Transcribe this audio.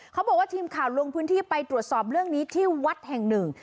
เขาบอกว่าทีมข่าวลงพื้นที่ไปตรวจสอบเรื่องนี้ที่วัดแห่งหนึ่ง